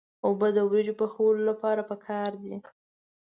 اوبه د وریجو پخولو لپاره پکار دي.